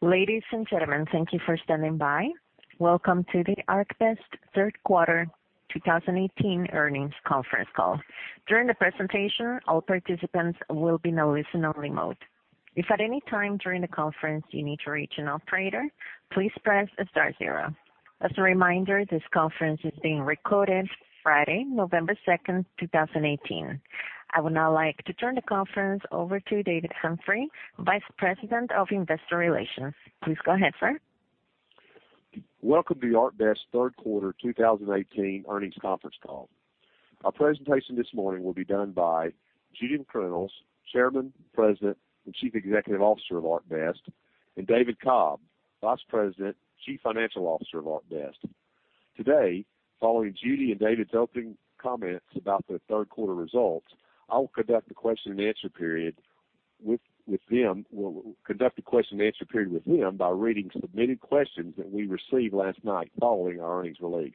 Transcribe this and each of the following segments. Ladies and gentlemen, thank you for standing by. Welcome to the ArcBest third quarter 2018 earnings conference call. During the presentation, all participants will be in a listen-only mode. If at any time during the conference, you need to reach an operator, please press star zero. As a reminder, this conference is being recorded Friday, November 2, 2018. I would now like to turn the conference over to David Humphrey, Vice President of Investor Relations. Please go ahead, sir. Welcome to the ArcBest third quarter 2018 earnings conference call. Our presentation this morning will be done by Judy McReynolds, Chairman, President, and Chief Executive Officer of ArcBest, and David Cobb, Vice President, Chief Financial Officer of ArcBest. Today, following Judy and David's opening comments about the third quarter results, I will conduct a question-and-answer period with them. We'll conduct a question-and-answer period with them by reading submitted questions that we received last night following our earnings release.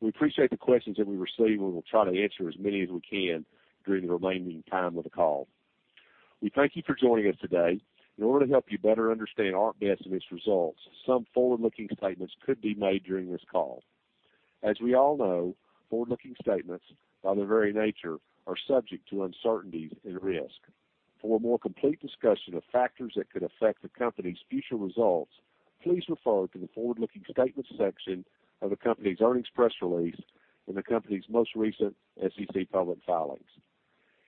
We appreciate the questions that we received, and we'll try to answer as many as we can during the remaining time of the call. We thank you for joining us today. In order to help you better understand ArcBest and its results, some forward-looking statements could be made during this call. As we all know, forward-looking statements, by their very nature, are subject to uncertainties and risk. For a more complete discussion of factors that could affect the company's future results, please refer to the Forward-Looking Statements section of the company's earnings press release and the company's most recent SEC public filings.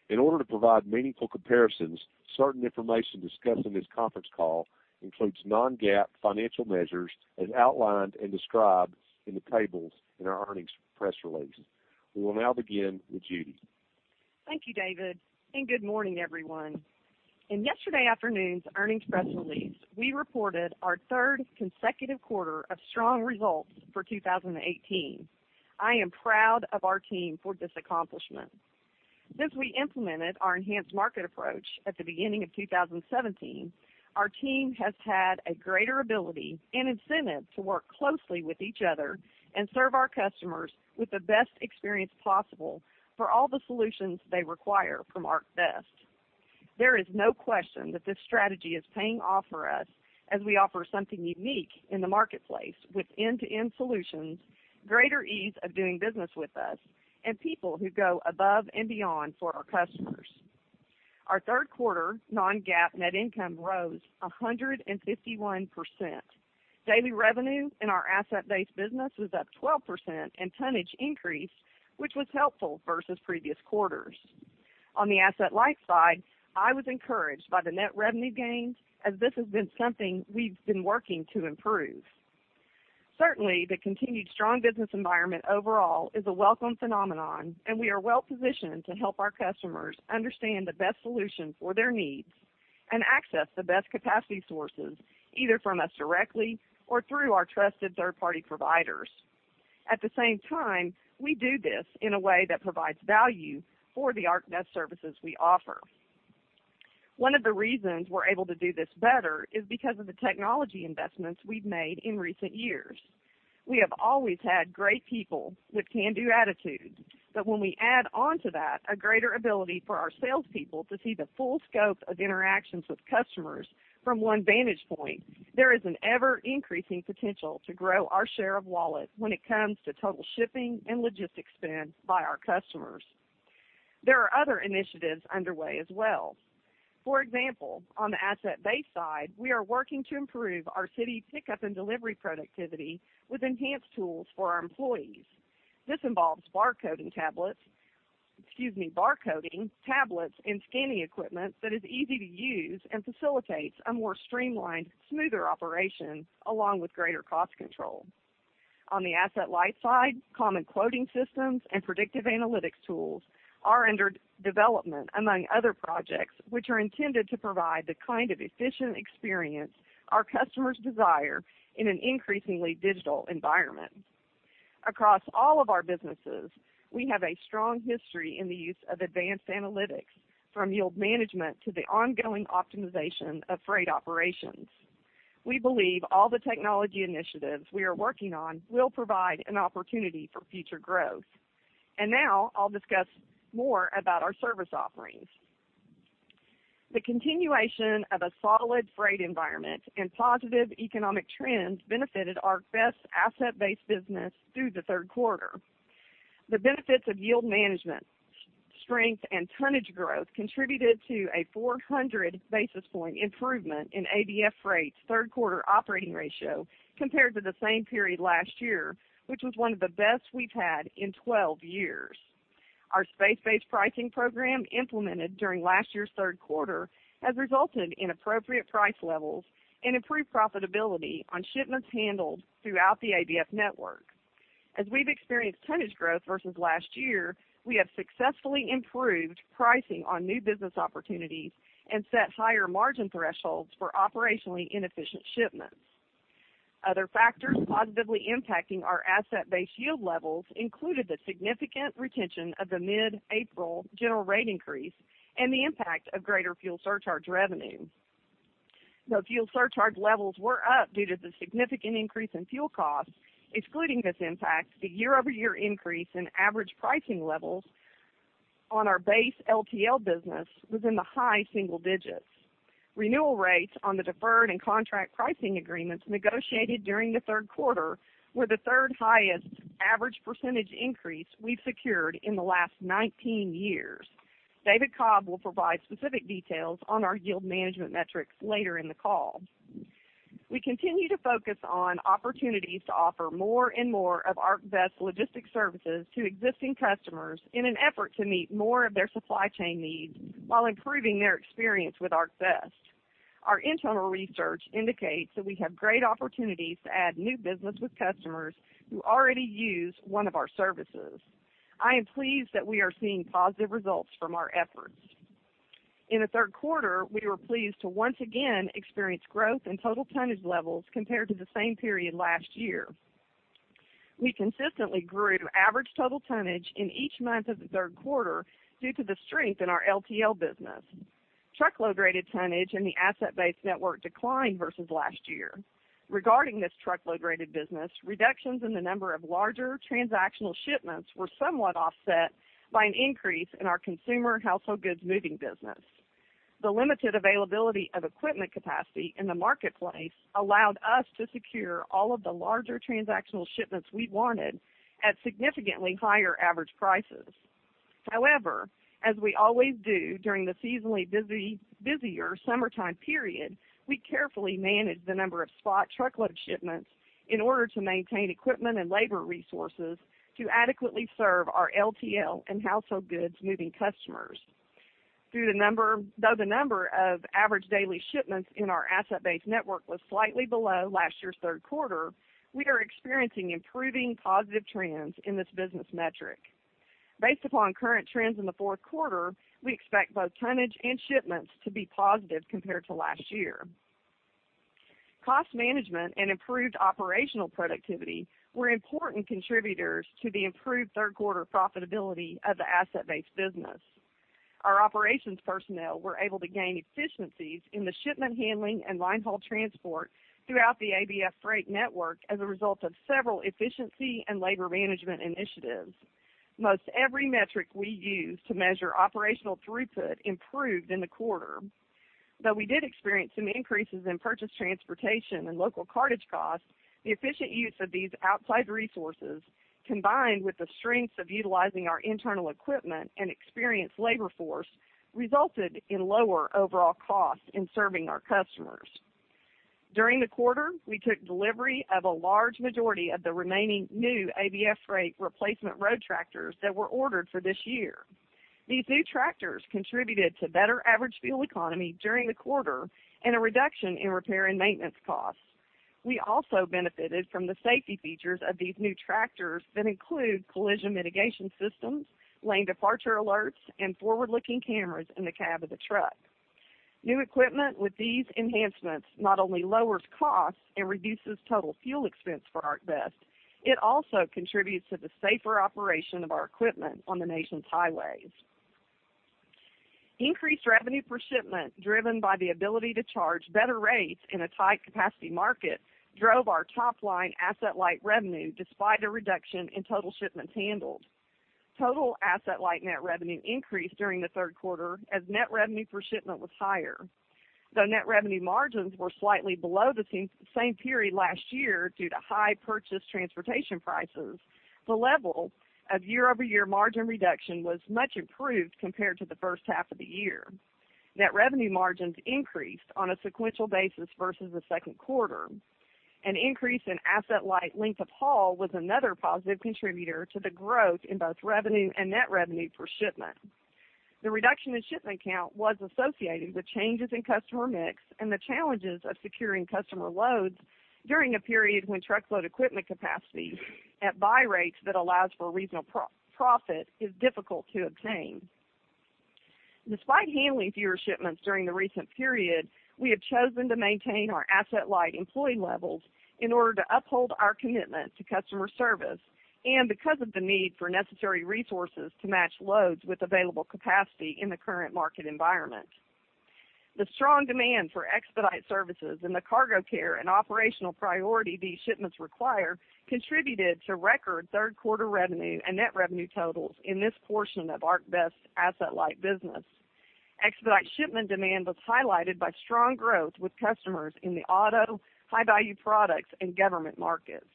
In order to provide meaningful comparisons, certain information discussed in this conference call includes non-GAAP financial measures, as outlined and described in the tables in our earnings press release. We will now begin with Judy. Thank you, David, and good morning, everyone. In yesterday afternoon's earnings press release, we reported our third consecutive quarter of strong results for 2018. I am proud of our team for this accomplishment. Since we implemented our Enhanced Market Approach at the beginning of 2017, our team has had a greater ability and incentive to work closely with each other and serve our customers with the best experience possible for all the solutions they require from ArcBest. There is no question that this strategy is paying off for us as we offer something unique in the marketplace with end-to-end solutions, greater ease of doing business with us, and people who go above and beyond for our customers. Our third quarter non-GAAP net income rose 151%. Daily revenue in our asset-based business was up 12%, and tonnage increased, which was helpful versus previous quarters. On the asset-light side, I was encouraged by the net revenue gains, as this has been something we've been working to improve. Certainly, the continued strong business environment overall is a welcome phenomenon, and we are well-positioned to help our customers understand the best solution for their needs and access the best capacity sources, either from us directly or through our trusted third-party providers. At the same time, we do this in a way that provides value for the ArcBest services we offer. One of the reasons we're able to do this better is because of the technology investments we've made in recent years. We have always had great people with can-do attitudes, but when we add on to that a greater ability for our salespeople to see the full scope of interactions with customers from one vantage point, there is an ever-increasing potential to grow our share of wallet when it comes to total shipping and logistics spend by our customers. There are other initiatives underway as well. For example, on the asset-based side, we are working to improve our city pickup and delivery productivity with enhanced tools for our employees. This involves barcoding tablets, excuse me, barcoding, tablets, and scanning equipment that is easy to use and facilitates a more streamlined, smoother operation, along with greater cost control. On the asset-light side, common quoting systems and predictive analytics tools are under development, among other projects, which are intended to provide the kind of efficient experience our customers desire in an increasingly digital environment. Across all of our businesses, we have a strong history in the use of advanced analytics, from yield management to the ongoing optimization of freight operations. We believe all the technology initiatives we are working on will provide an opportunity for future growth. And now I'll discuss more about our service offerings. The continuation of a solid freight environment and positive economic trends benefited ArcBest's asset-based business through the third quarter. The benefits of yield management, strength and tonnage growth contributed to a 400 basis point improvement in ABF Freight's third quarter operating ratio compared to the same period last year, which was one of the best we've had in 12 years. Our space-based pricing program, implemented during last year's third quarter, has resulted in appropriate price levels and improved profitability on shipments handled throughout the ABF network. As we've experienced tonnage growth versus last year, we have successfully improved pricing on new business opportunities and set higher margin thresholds for operationally inefficient shipments. Other factors positively impacting our asset-based yield levels included the significant retention of the mid-April general rate increase and the impact of greater fuel surcharge revenue. The fuel surcharge levels were up due to the significant increase in fuel costs. Excluding this impact, the year-over-year increase in average pricing levels on our base LTL business was in the high single digits. Renewal rates on the deferred and contract pricing agreements negotiated during the third quarter were the third highest average percentage increase we've secured in the last 19 years. David Cobb will provide specific details on our yield management metrics later in the call. We continue to focus on opportunities to offer more and more of ArcBest logistics services to existing customers in an effort to meet more of their supply chain needs while improving their experience with ArcBest. Our internal research indicates that we have great opportunities to add new business with customers who already use one of our services. I am pleased that we are seeing positive results from our efforts. In the third quarter, we were pleased to once again experience growth in total tonnage levels compared to the same period last year. We consistently grew average total tonnage in each month of the third quarter due to the strength in our LTL business. Truckload-rated tonnage in the asset-based network declined versus last year. Regarding this truckload-rated business, reductions in the number of larger transactional shipments were somewhat offset by an increase in our consumer and household goods moving business. The limited availability of equipment capacity in the marketplace allowed us to secure all of the larger transactional shipments we wanted at significantly higher average prices. However, as we always do during the seasonally busier summertime period, we carefully manage the number of spot truckload shipments in order to maintain equipment and labor resources to adequately serve our LTL and household goods moving customers. Though the number of average daily shipments in our asset-based network was slightly below last year's third quarter, we are experiencing improving positive trends in this business metric. Based upon current trends in the fourth quarter, we expect both tonnage and shipments to be positive compared to last year. Cost management and improved operational productivity were important contributors to the improved third quarter profitability of the asset-based business. Our operations personnel were able to gain efficiencies in the shipment handling and linehaul transport throughout the ABF Freight network as a result of several efficiency and labor management initiatives. Most every metric we use to measure operational throughput improved in the quarter. Though we did experience some increases in purchased transportation and local cartage costs, the efficient use of these outside resources, combined with the strengths of utilizing our internal equipment and experienced labor force, resulted in lower overall costs in serving our customers. During the quarter, we took delivery of a large majority of the remaining new ABF Freight replacement road tractors that were ordered for this year. These new tractors contributed to better average fuel economy during the quarter and a reduction in repair and maintenance costs. We also benefited from the safety features of these new tractors that include collision mitigation systems, lane departure alerts, and forward-looking cameras in the cab of the truck. New equipment with these enhancements not only lowers costs and reduces total fuel expense for ArcBest, it also contributes to the safer operation of our equipment on the nation's highways. Increased revenue per shipment, driven by the ability to charge better rates in a tight capacity market, drove our top-line asset-light revenue despite a reduction in total shipments handled. Total asset-light net revenue increased during the third quarter as net revenue per shipment was higher. Though net revenue margins were slightly below the same period last year due to high purchased transportation prices, the level of year-over-year margin reduction was much improved compared to the first half of the year. Net revenue margins increased on a sequential basis versus the second quarter. An increase in asset-light length of haul was another positive contributor to the growth in both revenue and net revenue per shipment. The reduction in shipment count was associated with changes in customer mix and the challenges of securing customer loads during a period when truckload equipment capacity at buy rates that allows for reasonable profit is difficult to obtain. Despite handling fewer shipments during the recent period, we have chosen to maintain our asset-light employee levels in order to uphold our commitment to customer service and because of the need for necessary resources to match loads with available capacity in the current market environment. The strong demand for expedite services and the cargo care and operational priority these shipments require contributed to record third quarter revenue and net revenue totals in this portion of ArcBest's asset-light business. Expedite shipment demand was highlighted by strong growth with customers in the auto, high-value products, and government markets.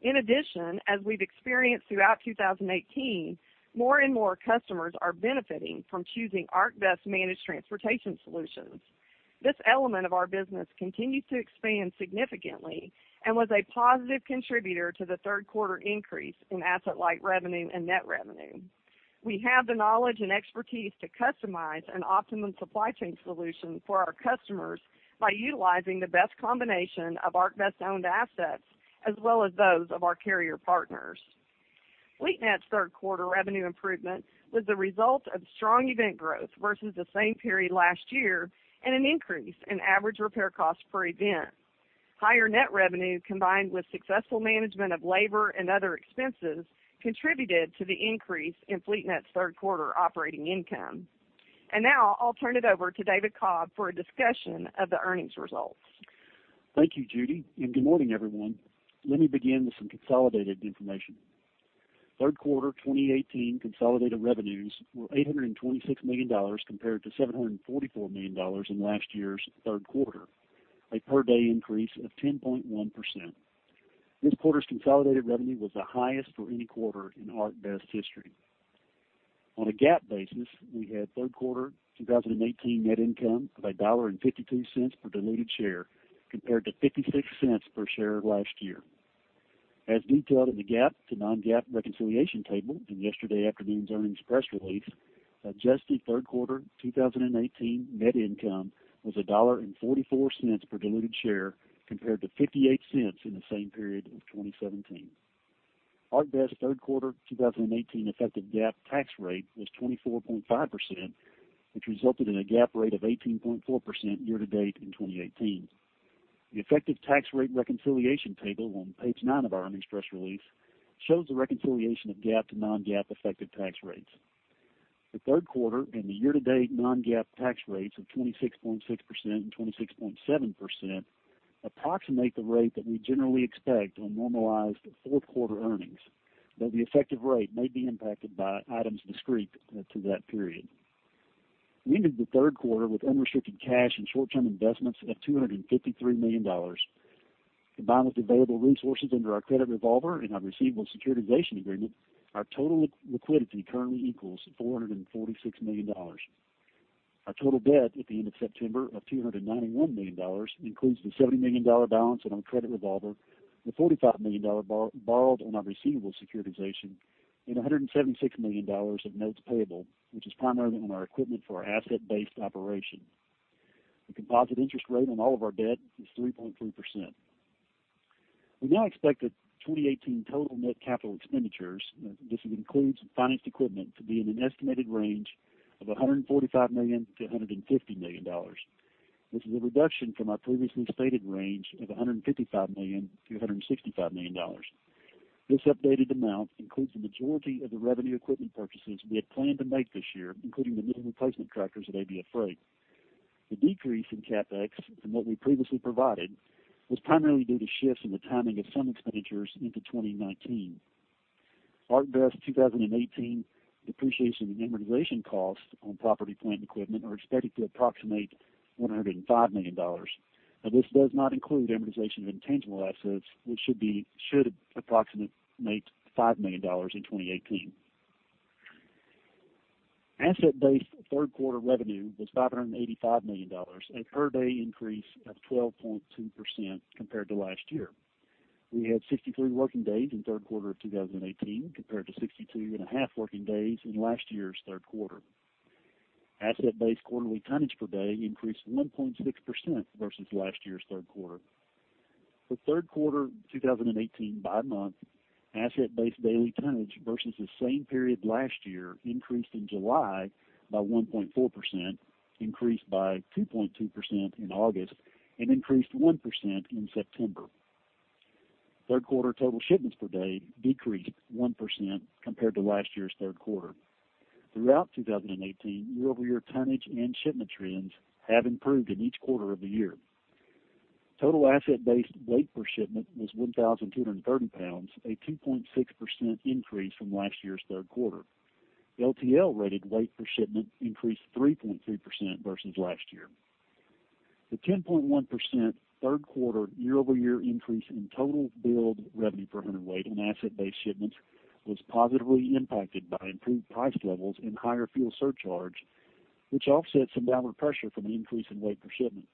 In addition, as we've experienced throughout 2018, more and more customers are benefiting from choosing ArcBest Managed Transportation Solutions. This element of our business continues to expand significantly and was a positive contributor to the third quarter increase in asset-light revenue and net revenue. We have the knowledge and expertise to customize an optimum supply chain solution for our customers by utilizing the best combination of ArcBest-owned assets, as well as those of our carrier partners. FleetNet's third quarter revenue improvement was the result of strong event growth versus the same period last year and an increase in average repair costs per event. Higher net revenue, combined with successful management of labor and other expenses, contributed to the increase in FleetNet's third quarter operating income. Now I'll turn it over to David Cobb for a discussion of the earnings results. Thank you, Judy, and good morning, everyone. Let me begin with some consolidated information. Third quarter 2018 consolidated revenues were $826 million compared to $744 million in last year's third quarter, a per day increase of 10.1%. This quarter's consolidated revenue was the highest for any quarter in ArcBest history. On a GAAP basis, we had third quarter 2018 net income of $1.52 per diluted share, compared to $0.56 per share last year. As detailed in the GAAP to non-GAAP reconciliation table in yesterday afternoon's earnings press release, adjusted third quarter 2018 net income was $1.44 per diluted share, compared to $0.58 in the same period of 2017. ArcBest third quarter 2018 effective GAAP tax rate was 24.5%, which resulted in a GAAP rate of 18.4% year-to-date in 2018. The effective tax rate reconciliation table on Page 9 of our earnings press release shows the reconciliation of GAAP to non-GAAP effective tax rates. The third quarter and the year-to-date non-GAAP tax rates of 26.6% and 26.7% approximate the rate that we generally expect on normalized fourth quarter earnings, though the effective rate may be impacted by items discrete to that period. We ended the third quarter with unrestricted cash and short-term investments of $253 million. Combined with available resources under our credit revolver and our receivable securitization agreement, our total liquidity currently equals $446 million. Our total debt at the end of September of $291 million includes the $70 million balance on our credit revolver, the $45 million borrowed on our receivable securitization, and $176 million of notes payable, which is primarily on our equipment for our asset-based operation. The composite interest rate on all of our debt is 3.3%. We now expect that 2018 total net capital expenditures, this includes financed equipment, to be in an estimated range of $145 million-$150 million, which is a reduction from our previously stated range of $155 million-$165 million. This updated amount includes the majority of the revenue equipment purchases we had planned to make this year, including the new replacement tractors at ABF Freight. The decrease in CapEx from what we previously provided was primarily due to shifts in the timing of some expenditures into 2019. ArcBest 2018 depreciation and amortization costs on property, plant, and equipment are expected to approximate $105 million, and this does not include amortization of intangible assets, which should approximate $5 million in 2018. Asset-based third quarter revenue was $585 million, a per day increase of 12.2% compared to last year. We had 63 working days in third quarter of 2018, compared to 62.5 working days in last year's third quarter. Asset-based quarterly tonnage per day increased 1.6% versus last year's third quarter. For third quarter 2018 by month, asset-based daily tonnage versus the same period last year increased in July by 1.4%, increased by 2.2% in August, and increased 1% in September. Third quarter total shipments per day decreased 1% compared to last year's third quarter. Throughout 2018, year-over-year tonnage and shipment trends have improved in each quarter of the year. Total asset-based weight per shipment was 1,230 pounds, a 2.6% increase from last year's third quarter. LTL-rated weight per shipment increased 3.3% versus last year. The 10.1% third quarter year-over-year increase in total billed revenue per hundredweight on asset-based shipments was positively impacted by improved price levels and higher fuel surcharge, which offset some downward pressure from the increase in weight per shipment.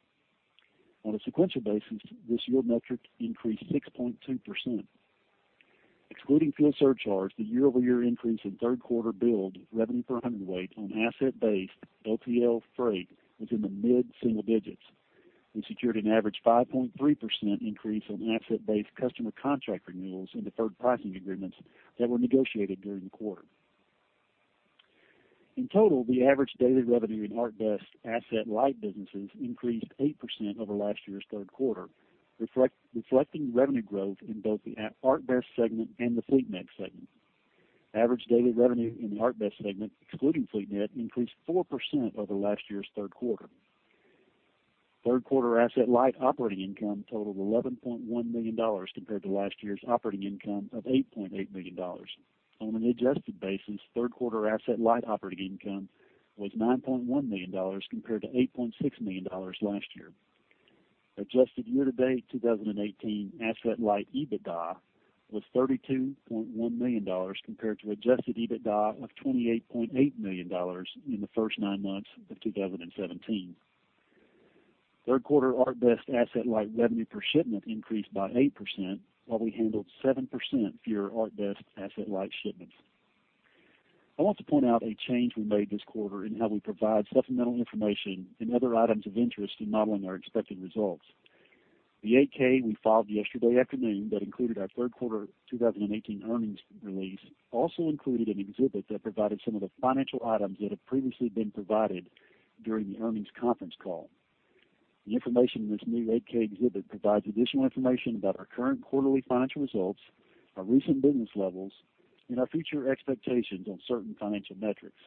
On a sequential basis, this year metric increased 6.2%. Excluding fuel surcharge, the year-over-year increase in third quarter billed revenue per hundredweight on asset-based LTL freight was in the mid-single digits. We secured an average 5.3% increase on asset-based customer contract renewals in deferred pricing agreements that were negotiated during the quarter. In total, the average daily revenue in ArcBest asset-light businesses increased 8% over last year's third quarter, reflecting revenue growth in both the ArcBest segment and the FleetNet segment. Average daily revenue in the ArcBest segment, excluding FleetNet, increased 4% over last year's third quarter. Third quarter asset-light operating income totaled $11.1 million compared to last year's operating income of $8.8 million. On an adjusted basis, third quarter asset-light operating income was $9.1 million compared to $8.6 million last year. Adjusted year-to-date 2018 asset-light EBITDA was $32.1 million compared to adjusted EBITDA of $28.8 million in the first nine months of 2017. Third quarter ArcBest asset-light revenue per shipment increased by 8%, while we handled 7% fewer ArcBest asset-light shipments. I want to point out a change we made this quarter in how we provide supplemental information and other items of interest in modeling our expected results. The 8-K we filed yesterday afternoon that included our third quarter 2018 earnings release also included an exhibit that provided some of the financial items that have previously been provided during the earnings conference call. The information in this new 8-K exhibit provides additional information about our current quarterly financial results, our recent business levels, and our future expectations on certain financial metrics.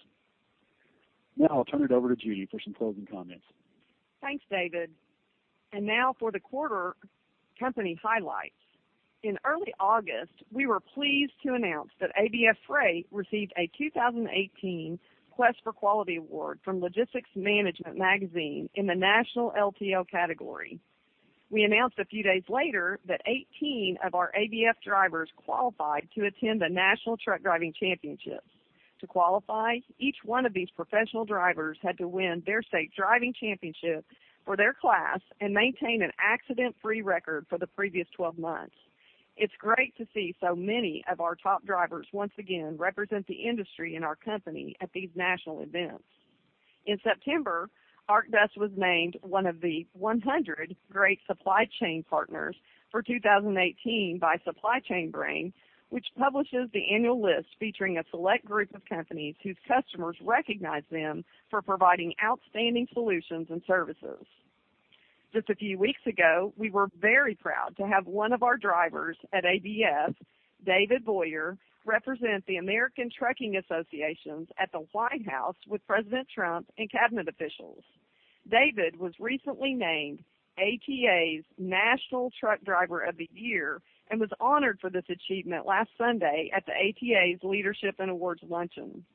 Now I'll turn it over to Judy for some closing comments. Thanks, David. And now for the quarter company highlights. In early August, we were pleased to announce that ABF Freight received a 2018 Quest for Quality award from Logistics Management magazine in the National LTL category. We announced a few days later that 18 of our ABF drivers qualified to attend the National Truck Driving Championships. To qualify, each one of these professional drivers had to win their state driving championship for their class and maintain an accident-free record for the previous 12 months. It's great to see so many of our top drivers once again represent the industry and our company at these national events. In September, ArcBest was named one of the 100 Great Supply Chain Partners for 2018 by SupplyChainBrain, which publishes the annual list featuring a select group of companies whose customers recognize them for providing outstanding solutions and services. Just a few weeks ago, we were very proud to have one of our drivers at ABF, David Boyer, represent the American Trucking Associations at the White House with President Trump and cabinet officials. David was recently named ATA's National Truck Driver of the Year and was honored for this achievement last Sunday at the ATA's Leadership and Awards Luncheon.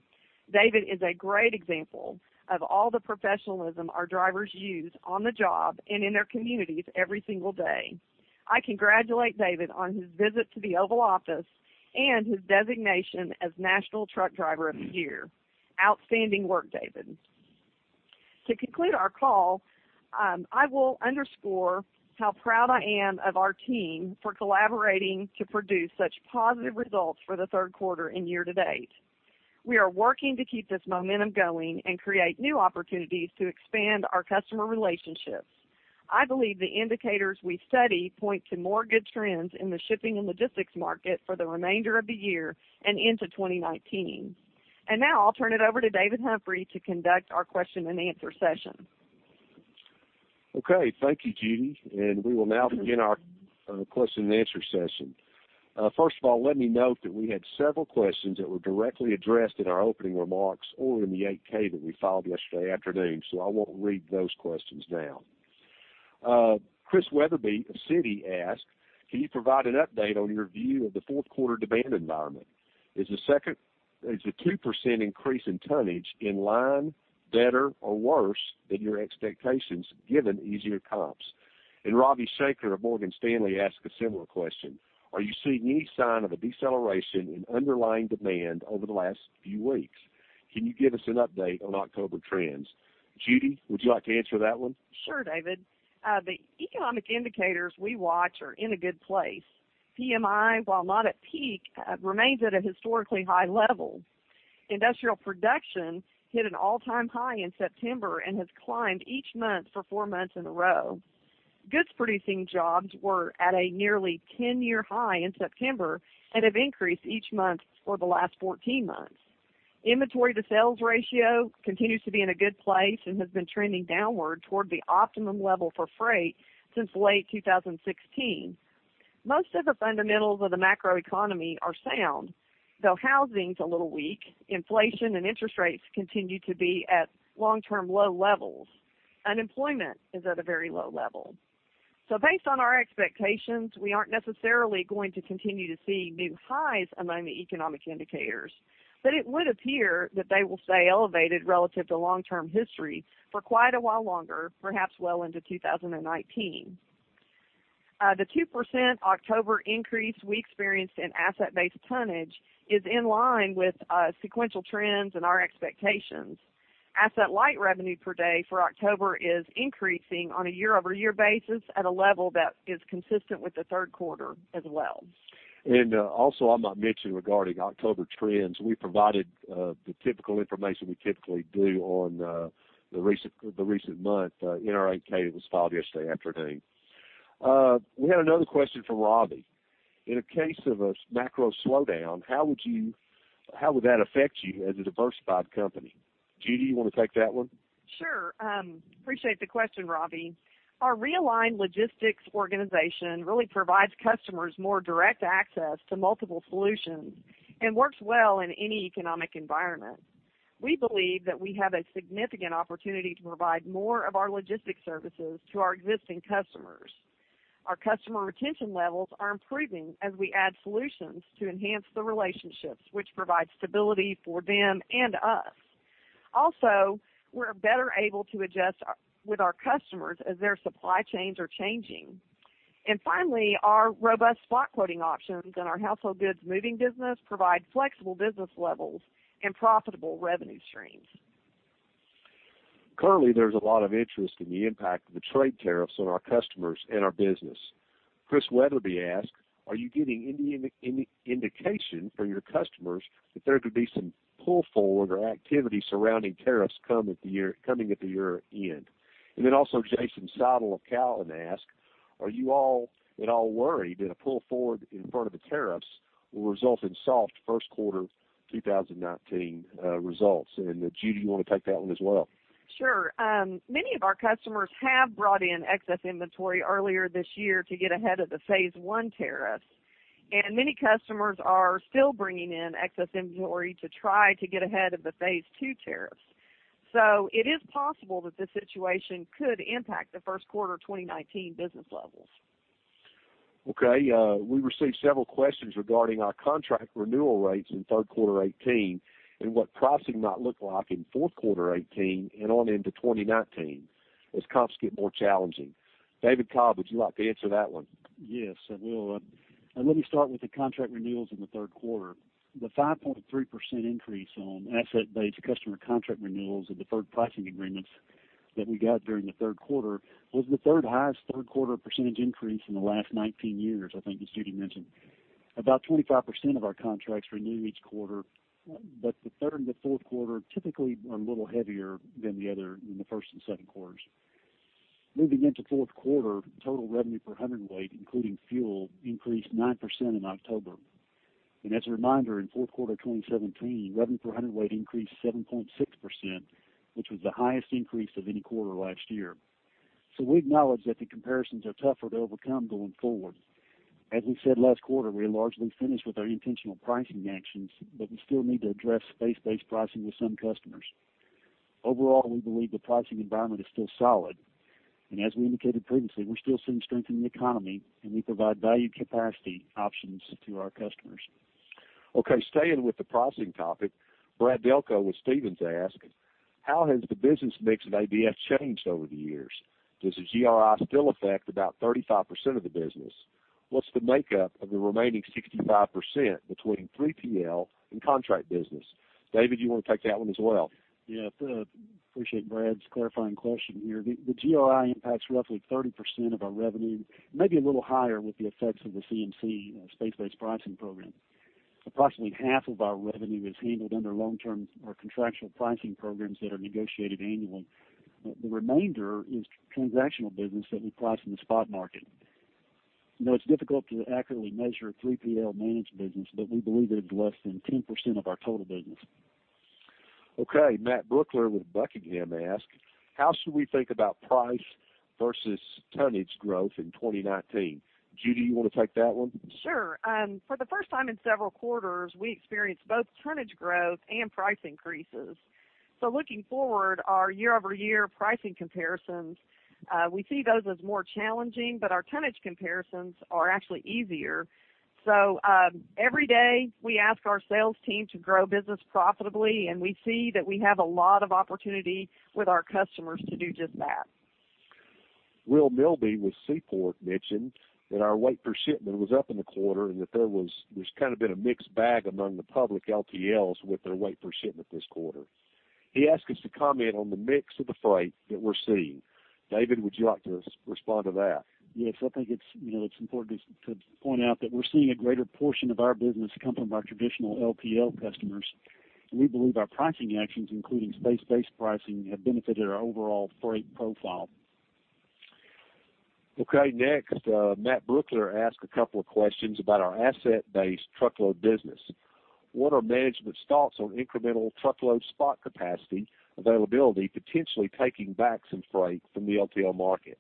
David is a great example of all the professionalism our drivers use on the job and in their communities every single day. I congratulate David on his visit to the Oval Office and his designation as National Truck Driver of the Year. Outstanding work, David! To conclude our call, I will underscore how proud I am of our team for collaborating to produce such positive results for the third quarter and year-to-date. We are working to keep this momentum going and create new opportunities to expand our customer relationships. I believe the indicators we study point to more good trends in the shipping and logistics market for the remainder of the year and into 2019. Now I'll turn it over to David Humphrey to conduct our question-and-answer session. Okay, thank you, Judy, and we will now begin our question and answer session. First of all, let me note that we had several questions that were directly addressed in our opening remarks or in the 8-K that we filed yesterday afternoon, so I won't read those questions now. Chris Wetherbee of Citi asked, "Can you provide an update on your view of the fourth quarter demand environment? Is the 2% increase in tonnage in line, better or worse than your expectations, given easier comps?" And Ravi Shanker of Morgan Stanley asked a similar question: "Are you seeing any sign of a deceleration in underlying demand over the last few weeks? Can you give us an update on October trends?" Judy, would you like to answer that one? Sure, David. The economic indicators we watch are in a good place. PMI, while not at peak, remains at a historically high level. Industrial production hit an all-time high in September and has climbed each month for four months in a row. goods-producing jobs were at a nearly 10-year high in September and have increased each month for the last 14 months. Inventory to sales ratio continues to be in a good place and has been trending downward toward the optimum level for freight since late 2016. Most of the fundamentals of the macroeconomy are sound, though housing's a little weak, inflation and interest rates continue to be at long-term low levels. Unemployment is at a very low level. So based on our expectations, we aren't necessarily going to continue to see new highs among the economic indicators, but it would appear that they will stay elevated relative to long-term history for quite a while longer, perhaps well into 2019. The 2% October increase we experienced in asset-based tonnage is in line with sequential trends and our expectations. Asset-light revenue per day for October is increasing on a year-over-year basis at a level that is consistent with the third quarter as well. Also, I might mention regarding October trends, we provided the typical information we typically do on the recent month in our 8-K that was filed yesterday afternoon. We had another question from Ravi. "In the case of a macro slowdown, how would you, how would that affect you as a diversified company?" Judy, you want to take that one? Sure. Appreciate the question, Ravi. Our realigned logistics organization really provides customers more direct access to multiple solutions and works well in any economic environment. We believe that we have a significant opportunity to provide more of our logistics services to our existing customers. Our customer retention levels are improving as we add solutions to enhance the relationships, which provide stability for them and us. Also, we're better able to adjust with our customers as their supply chains are changing. And finally, our robust spot quoting options and our household goods moving business provide flexible business levels and profitable revenue streams. Currently, there's a lot of interest in the impact of the trade tariffs on our customers and our business. Chris Wetherbee asked, "Are you getting any indication from your customers that there could be some pull-forward or activity surrounding tariffs coming at the year, coming at the year-end?" And then also Jason Seidl of Cowen asked, "Are you all at all worried that a pull forward in front of the tariffs will result in soft first quarter 2019 results?" And Judy, you want to take that one as well? Sure. Many of our customers have brought in excess inventory earlier this year to get ahead of the Phase 1 tariffs... and many customers are still bringing in excess inventory to try to get ahead of the Phase 2 tariffs. So it is possible that this situation could impact the first quarter 2019 business levels. Okay, we received several questions regarding our contract renewal rates in third quarter 2018 and what pricing might look like in fourth quarter 2018 and on into 2019 as comps get more challenging. David Cobb, would you like to answer that one? Yes, I will. Let me start with the contract renewals in the third quarter. The 5.3% increase on asset-based customer contract renewals of deferred pricing agreements that we got during the third quarter was the third highest third quarter percentage increase in the last 19 years, I think as Judy mentioned. About 25% of our contracts renew each quarter, but the third and the fourth quarter typically are a little heavier than the other, than the first and second quarters. Moving into fourth quarter, total revenue per hundredweight, including fuel, increased 9% in October. And as a reminder, in fourth quarter 2017, revenue per hundredweight increased 7.6%, which was the highest increase of any quarter last year. So we acknowledge that the comparisons are tougher to overcome going forward. As we said last quarter, we are largely finished with our intentional pricing actions, but we still need to address base pricing with some customers. Overall, we believe the pricing environment is still solid, and as we indicated previously, we're still seeing strength in the economy, and we provide valued capacity options to our customers. Okay, staying with the pricing topic, Brad Delco with Stephens asked: How has the business mix of ABF changed over the years? Does the GRI still affect about 35% of the business? What's the makeup of the remaining 65% between 3PL and contract business? David, do you want to take that one as well? Yeah, I appreciate Brad's clarifying question here. The GRI impacts roughly 30% of our revenue, maybe a little higher with the effects of the CMC space-based pricing program. Approximately half of our revenue is handled under long-term or contractual pricing programs that are negotiated annually. The remainder is transactional business that we price in the spot market. You know, it's difficult to accurately measure 3PL managed business, but we believe it is less than 10% of our total business. Okay, Matt Brooklier with Buckingham asked: How should we think about price versus tonnage growth in 2019? Judy, you want to take that one? Sure. For the first time in several quarters, we experienced both tonnage growth and price increases. So looking forward, our year-over-year pricing comparisons, we see those as more challenging, but our tonnage comparisons are actually easier. So, every day, we ask our sales team to grow business profitably, and we see that we have a lot of opportunity with our customers to do just that. Will Milby with Seaport mentioned that our weight per shipment was up in the quarter and that there was, there's kind of been a mixed bag among the public LTLs with their weight per shipment this quarter. He asked us to comment on the mix of the freight that we're seeing. David, would you like to respond to that? Yes, I think it's, you know, it's important to point out that we're seeing a greater portion of our business coming from our traditional LTL customers, and we believe our pricing actions, including space-based pricing, have benefited our overall freight profile. Okay, next, Matt Brooklier asked a couple of questions about our asset-based truckload business. What are management's thoughts on incremental truckload spot capacity availability, potentially taking back some freight from the LTL market?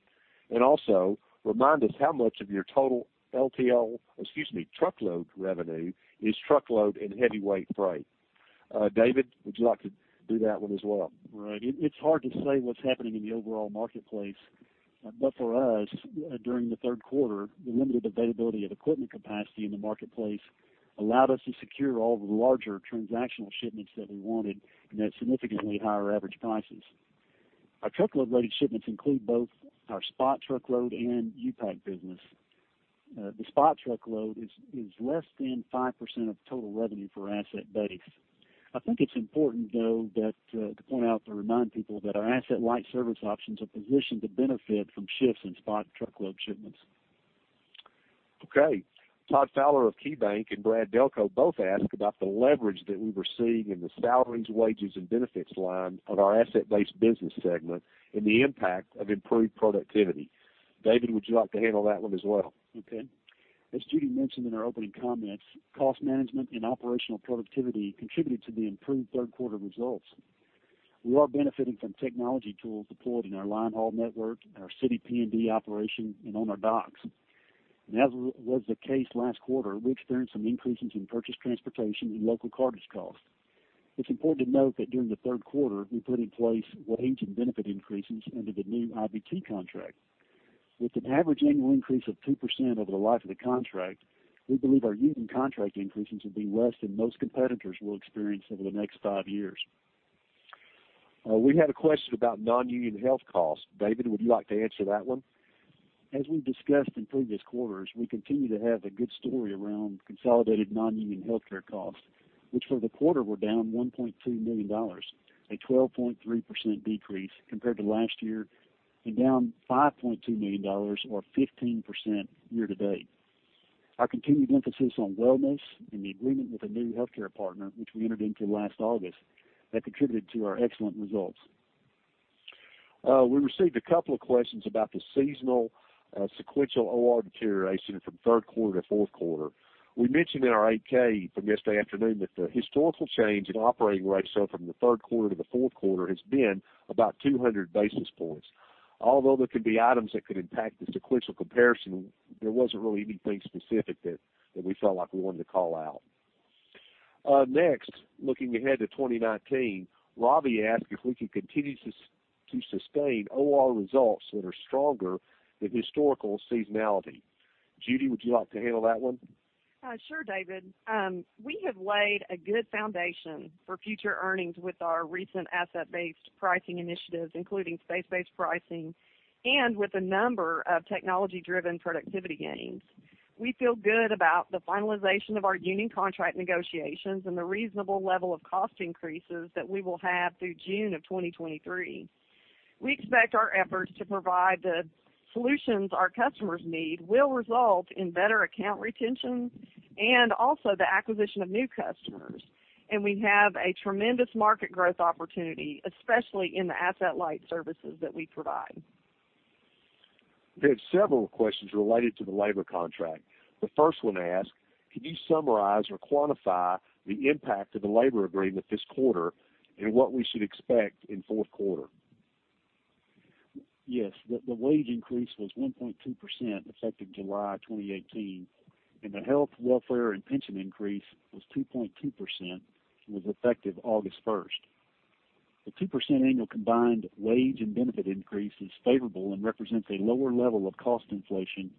And also, remind us how much of your total LTL, excuse me, truckload revenue is truckload and heavyweight freight. David, would you like to do that one as well? Right. It's hard to say what's happening in the overall marketplace, but for us, during the third quarter, the limited availability of equipment capacity in the marketplace allowed us to secure all the larger transactional shipments that we wanted and at significantly higher average prices. Our truckload-related shipments include both our spot truckload and U-Pack business. The spot truckload is less than 5% of the total revenue for ABF's. I think it's important, though, that to point out or remind people that our asset-light service options are positioned to benefit from shifts in spot truckload shipments. Okay. Todd Fowler of KeyBanc and Brad Delco both asked about the leverage that we were seeing in the salaries, wages, and benefits line of our asset-based business segment and the impact of improved productivity. David, would you like to handle that one as well? Okay. As Judy mentioned in our opening comments, cost management and operational productivity contributed to the improved third quarter results. We are benefiting from technology tools deployed in our linehaul network, our city P&D operation, and on our docks. As was the case last quarter, we experienced some increases in purchased transportation, and local cartage costs. It's important to note that during the third quarter, we put in place wage and benefit increases under the new IBT contract. With an average annual increase of 2% over the life of the contract, we believe our union contract increases will be less than most competitors will experience over the next five years. We had a question about non-union health costs. David, would you like to answer that one? As we've discussed in previous quarters, we continue to have a good story around consolidated non-union healthcare costs, which for the quarter were down $1.2 million, a 12.3% decrease compared to last year, and down $5.2 million or 15% year-to-date. Our continued emphasis on wellness and the agreement with a new healthcare partner, which we entered into last August, that contributed to our excellent results. We received a couple of questions about the seasonal sequential OR deterioration from third quarter to fourth quarter. We mentioned in our 8-K from yesterday afternoon that the historical change in operating ratio from the third quarter to the fourth quarter has been about 200 basis points. Although there could be items that could impact the sequential comparison, there wasn't really anything specific that we felt like we wanted to call out. Next, looking ahead to 2019, Ravi asked if we could continue to sustain OR results that are stronger than historical seasonality. Judy, would you like to handle that one? Sure, David. We have laid a good foundation for future earnings with our recent asset-based pricing initiatives, including space-based pricing, and with a number of technology-driven productivity gains. We feel good about the finalization of our union contract negotiations and the reasonable level of cost increases that we will have through June of 2023. We expect our efforts to provide the solutions our customers need will result in better account retention and also the acquisition of new customers. We have a tremendous market growth opportunity, especially in the asset-light services that we provide. We have several questions related to the labor contract. The first one asked, "Can you summarize or quantify the impact of the labor agreement this quarter and what we should expect in fourth quarter? Yes, the wage increase was 1.2%, effective July 2018, and the health, welfare, and pension increase was 2.2% and was effective August 1. The 2% annual combined wage and benefit increase is favorable and represents a lower level of cost inflation,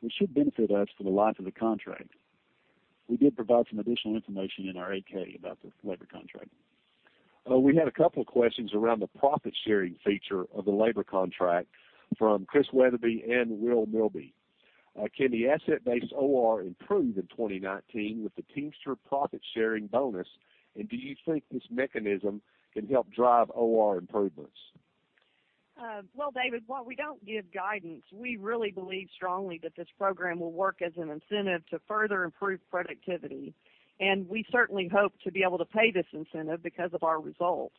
which should benefit us for the life of the contract. We did provide some additional information in our 8-K about this labor contract. We had a couple of questions around the profit sharing feature of the labor contract from Chris Wetherbee and Will Milby. "Can the asset-based OR improve in 2019 with the Teamsters profit-sharing bonus? And do you think this mechanism can help drive OR improvements? Well, David, while we don't give guidance, we really believe strongly that this program will work as an incentive to further improve productivity, and we certainly hope to be able to pay this incentive because of our results.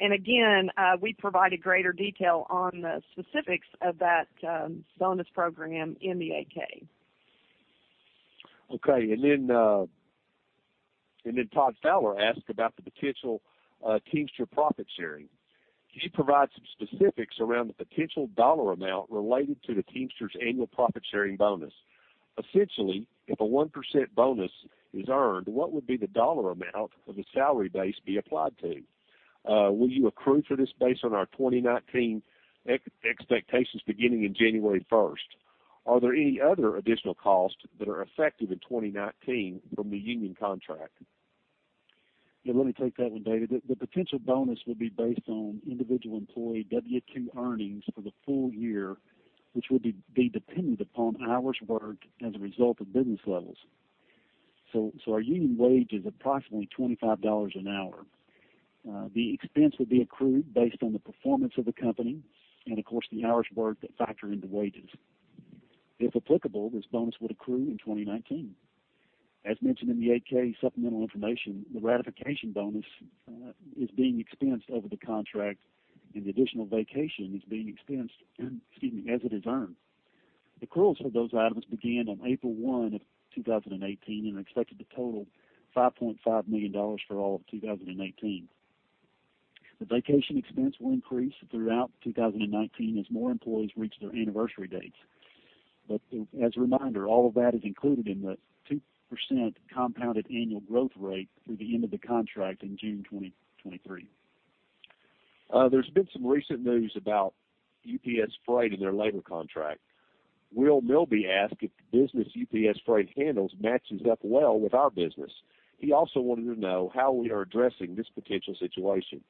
And again, we provided greater detail on the specifics of that bonus program in the 8-K. Okay. Then Todd Fowler asked about the potential Teamsters profit-sharing. "Can you provide some specifics around the potential dollar amount related to the Teamsters' annual profit-sharing bonus? Essentially, if a 1% bonus is earned, what would be the dollar amount of the salary base be applied to? Will you accrue for this based on our 2019 expectations beginning January 1? Are there any other additional costs that are effective in 2019 from the union contract? Yeah, let me take that one, David. The potential bonus will be based on individual employee W-2 earnings for the full year, which will be dependent upon hours worked as a result of business levels. So, our union wage is approximately $25 an hour. The expense will be accrued based on the performance of the company and, of course, the hours worked that factor into wages. If applicable, this bonus would accrue in 2019. As mentioned in the 8-K supplemental information, the ratification bonus is being expensed over the contract, and the additional vacation is being expensed, excuse me, as it is earned. Accruals for those items began on April 1, 2018 and are expected to total $5.5 million for all of 2018. The vacation expense will increase throughout 2019 as more employees reach their anniversary dates. But as a reminder, all of that is included in the 2% compounded annual growth rate through the end of the contract in June 2023. There's been some recent news about UPS Freight and their labor contract. Will Milby asked if the business UPS Freight handles matches up well with our business. He also wanted to know how we are addressing this potential situation.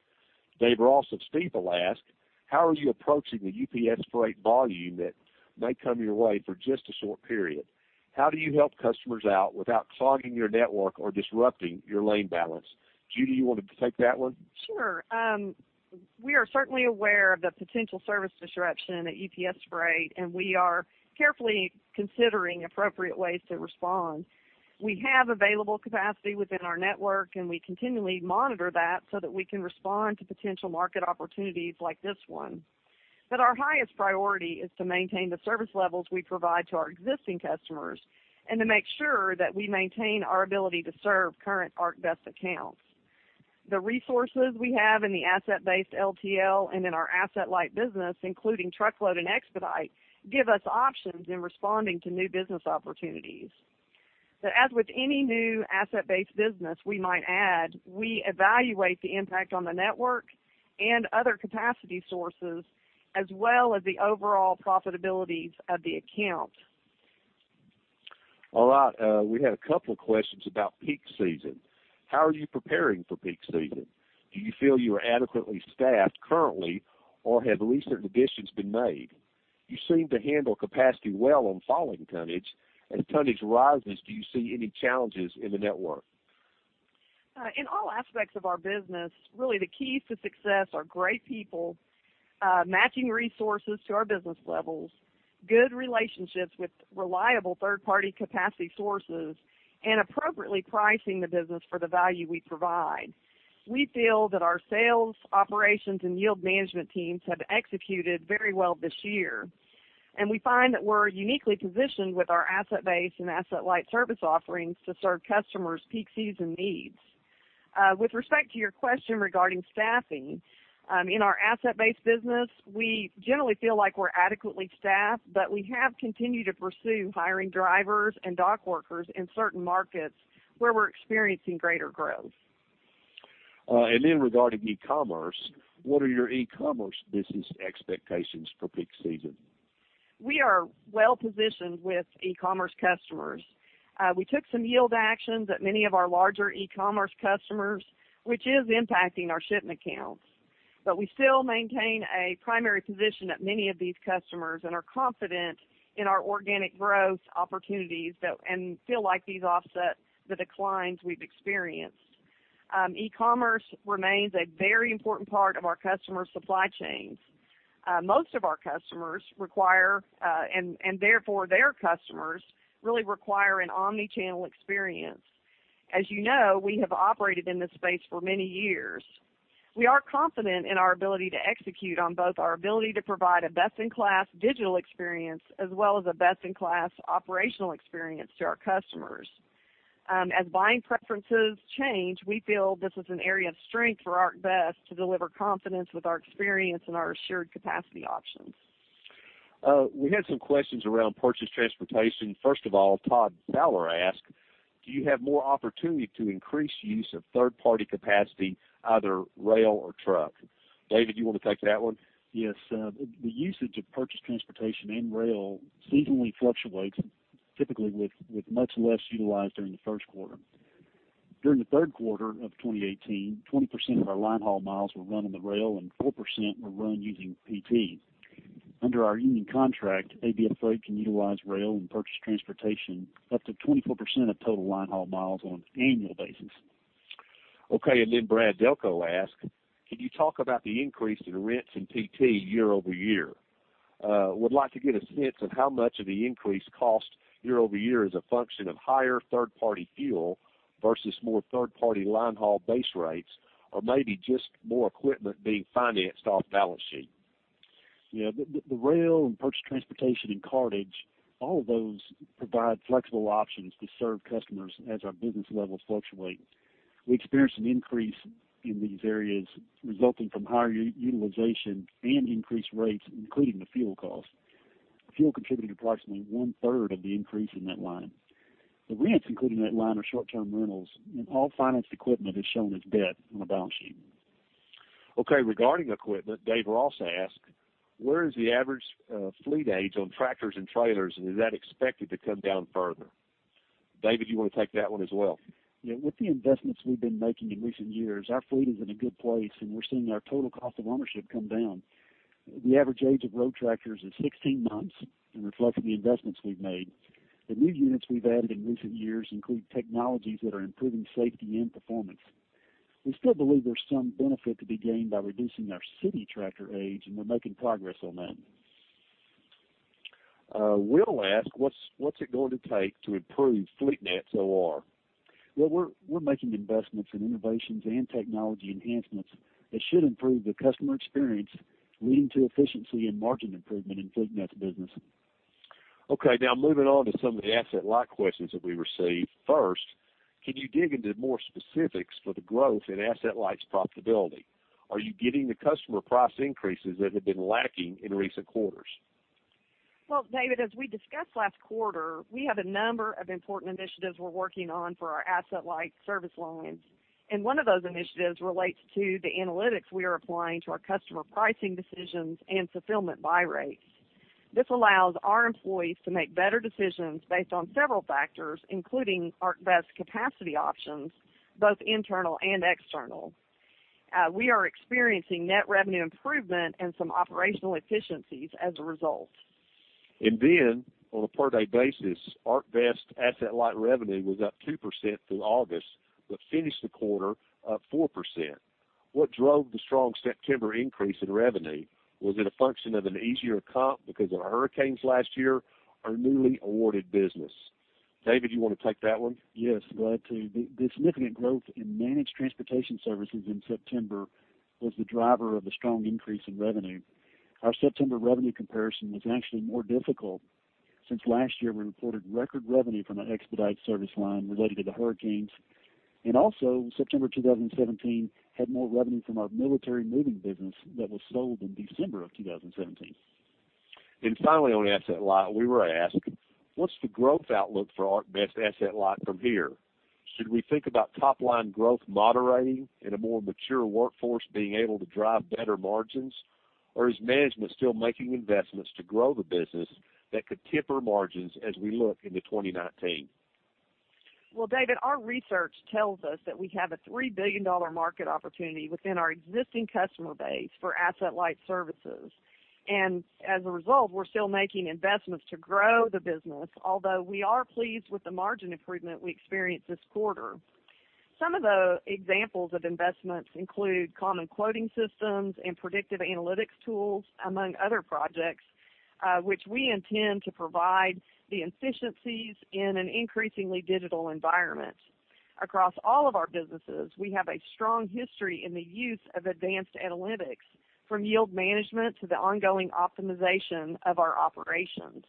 Dave Ross of Stifel asked, "How are you approaching the UPS Freight volume that may come your way for just a short period? How do you help customers out without clogging your network or disrupting your lane balance?" Judy, you want to take that one? Sure. We are certainly aware of the potential service disruption at UPS Freight, and we are carefully considering appropriate ways to respond. We have available capacity within our network, and we continually monitor that so that we can respond to potential market opportunities like this one. But our highest priority is to maintain the service levels we provide to our existing customers and to make sure that we maintain our ability to serve current ArcBest accounts. The resources we have in the asset-based LTL and in our asset-light business, including truckload and expedite, give us options in responding to new business opportunities. But as with any new asset-based business we might add, we evaluate the impact on the network and other capacity sources, as well as the overall profitabilities of the account. All right. We had a couple of questions about peak season. How are you preparing for peak season? Do you feel you are adequately staffed currently, or have recent additions been made? You seem to handle capacity well on falling tonnage. As tonnage rises, do you see any challenges in the network? In all aspects of our business, really, the keys to success are great people, matching resources to our business levels, good relationships with reliable third-party capacity sources, and appropriately pricing the business for the value we provide. We feel that our sales, operations, and yield management teams have executed very well this year, and we find that we're uniquely positioned with our asset-based and asset-light service offerings to serve customers' peak season needs. With respect to your question regarding staffing, in our asset-based business, we generally feel like we're adequately staffed, but we have continued to pursue hiring drivers and dock workers in certain markets where we're experiencing greater growth. Regarding e-commerce, what are your e-commerce business expectations for peak season? We are well positioned with e-commerce customers. We took some yield actions at many of our larger e-commerce customers, which is impacting our shipment counts. But we still maintain a primary position at many of these customers and are confident in our organic growth opportunities and feel like these offset the declines we've experienced. E-commerce remains a very important part of our customer supply chains. Most of our customers require, and therefore, their customers really require an omni-channel experience. As you know, we have operated in this space for many years. We are confident in our ability to execute on both our ability to provide a best-in-class digital experience, as well as a best-in-class operational experience to our customers. As buying preferences change, we feel this is an area of strength for ArcBest to deliver confidence with our experience and our assured capacity options. We had some questions around purchased transportation. First of all, Todd Fowler asked, "Do you have more opportunity to increase use of third-party capacity, either rail or truck?" David, you want to take that one? Yes. The usage of purchased transportation and rail seasonally fluctuates, typically with much less utilized during the first quarter. During the third quarter of 2018, 20% of our linehaul miles were run on the rail, and 4% were run using PT. Under our union contract, ABF Freight can utilize rail and purchased transportation up to 24% of total linehaul miles on an annual basis. Okay. Then Brad Delco asked, "Can you talk about the increase in rents and PT year-over-year? Would like to get a sense of how much of the increase in cost year-over-year is a function of higher third-party fuel versus more third-party linehaul base rates, or maybe just more equipment being financed off balance sheet. Yeah. The rail and purchased transportation and cartage, all of those provide flexible options to serve customers as our business levels fluctuate. We experienced an increase in these areas resulting from higher utilization and increased rates, including the fuel costs. Fuel contributed approximately one third of the increase in that line. The rents included in that line are short-term rentals, and all financed equipment is shown as debt on the balance sheet. Okay, regarding equipment, Dave Ross asked, "Where is the average fleet age on tractors and trailers, and is that expected to come down further?" David, you want to take that one as well? Yeah. With the investments we've been making in recent years, our fleet is in a good place, and we're seeing our total cost of ownership come down. The average age of road tractors is 16 months and reflects the investments we've made. The new units we've added in recent years include technologies that are improving safety and performance. We still believe there's some benefit to be gained by reducing our city tractor age, and we're making progress on that. Will asked, "What's, what's it going to take to improve FleetNet's OR? Well, we're making investments in innovations and technology enhancements that should improve the customer experience, leading to efficiency and margin improvement in FleetNet's business. Okay. Now moving on to some of the asset-light questions that we received. First, can you dig into more specifics for the growth in asset-light's profitability? Are you getting the customer price increases that have been lacking in recent quarters? Well, David, as we discussed last quarter, we have a number of important initiatives we're working on for our asset-light service lines, and one of those initiatives relates to the analytics we are applying to our customer pricing decisions and fulfillment buy rates. This allows our employees to make better decisions based on several factors, including ArcBest capacity options, both internal and external. We are experiencing net revenue improvement and some operational efficiencies as a result. And then on a per-day basis, ArcBest asset-light revenue was up 2% through August, but finished the quarter up 4%. What drove the strong September increase in revenue? Was it a function of an easier comp because of the hurricanes last year or newly awarded business? David, you want to take that one? Yes, glad to. The significant growth in managed transportation services in September was the driver of the strong increase in revenue. Our September revenue comparison was actually more difficult since last year, we reported record revenue from an expedited service line related to the hurricanes, and also September 2017 had more revenue from our military moving business that was sold in December 2017. Finally, on asset-light, we were asked, "What's the growth outlook for ArcBest asset-light from here? Should we think about top-line growth moderating and a more mature workforce being able to drive better margins? Or is management still making investments to grow the business that could temper margins as we look into 2019? Well, David, our research tells us that we have a $3 billion market opportunity within our existing customer base for asset-light services. And as a result, we're still making investments to grow the business, although we are pleased with the margin improvement we experienced this quarter. Some of the examples of investments include common quoting systems and predictive analytics tools, among other projects, which we intend to provide the efficiencies in an increasingly digital environment. Across all of our businesses, we have a strong history in the use of advanced analytics, from yield management to the ongoing optimization of our operations.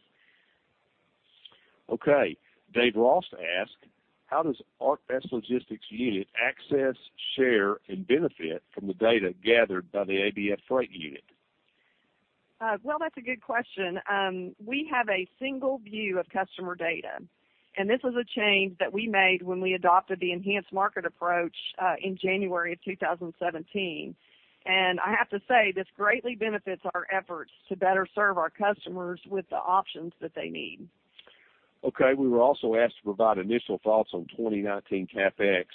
Okay. Dave Ross asked, "How does ArcBest Logistics unit access, share, and benefit from the data gathered by the ABF Freight unit? Well, that's a good question. We have a single view of customer data, and this was a change that we made when we adopted the Enhanced Market Approach, in January 2017. And I have to say, this greatly benefits our efforts to better serve our customers with the options that they need. Okay. We were also asked to provide initial thoughts on 2019 CapEx.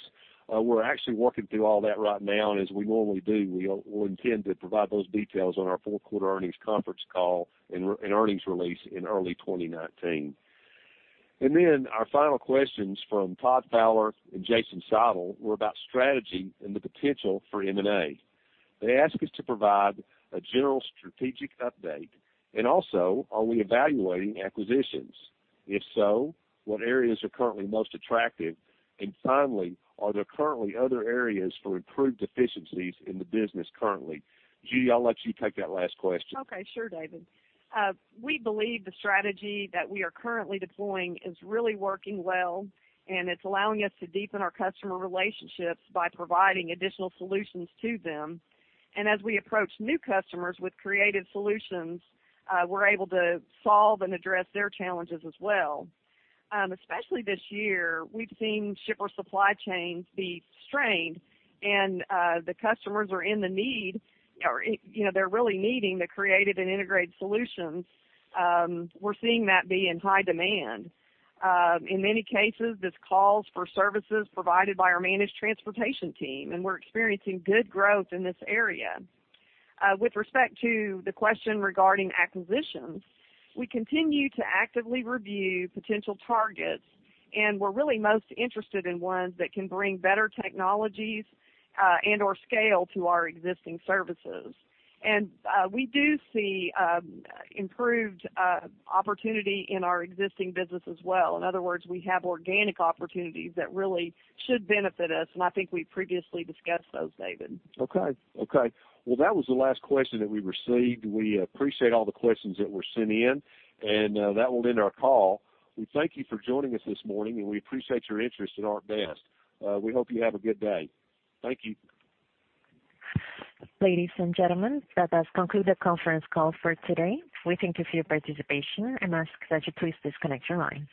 We're actually working through all that right now, and as we normally do, we'll, we'll intend to provide those details on our fourth quarter earnings conference call and earnings release in early 2019. And then our final questions from Todd Fowler and Jason Seidl were about strategy and the potential for M&A. They asked us to provide a general strategic update, and also, are we evaluating acquisitions? If so, what areas are currently most attractive? And finally, are there currently other areas for improved efficiencies in the business currently? Judy, I'll let you take that last question. Okay, sure, David. We believe the strategy that we are currently deploying is really working well, and it's allowing us to deepen our customer relationships by providing additional solutions to them. As we approach new customers with creative solutions, we're able to solve and address their challenges as well. Especially this year, we've seen shipper supply chains be strained, and the customers are in the need or, you know, they're really needing the creative and integrated solutions. We're seeing that be in high demand. In many cases, this calls for services provided by our managed transportation team, and we're experiencing good growth in this area. With respect to the question regarding acquisitions, we continue to actively review potential targets, and we're really most interested in ones that can bring better technologies, and/or scale to our existing services. We do see improved opportunity in our existing business as well. In other words, we have organic opportunities that really should benefit us, and I think we previously discussed those, David. Okay. Okay. Well, that was the last question that we received. We appreciate all the questions that were sent in, and that will end our call. We thank you for joining us this morning, and we appreciate your interest in ArcBest. We hope you have a good day. Thank you. Ladies and gentlemen, that does conclude the conference call for today. We thank you for your participation and ask that you please disconnect your line.